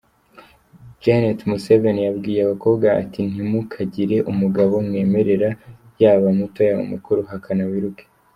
Janet Museni yabwiye abakobwa ati “Ntimukagire umugabo mwemerera, yaba muto yaba mukuru, hakana wiruke.